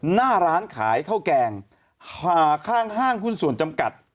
หน้าร้านขายข้าวแกงข้างห้างหุ้นส่วนจำกัด